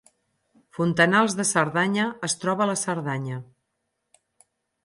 Fontanals de Cerdanya es troba a la Cerdanya